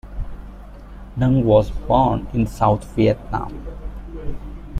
Dung was born in South Vietnam.